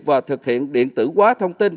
và thực hiện điện tử quá thông tin